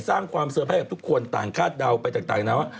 สร้างความเซอร์ไพรสกับทุกคนต่างคาดเดาไปต่างนะว่า